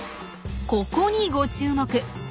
ここにご注目！